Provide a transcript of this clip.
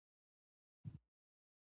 مالیې وزارت څنګه تخصیص ورکوي؟